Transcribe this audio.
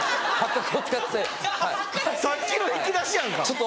さっきの引き出しやんか。